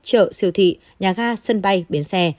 chợ siêu thị nhà ga sân bay biến xe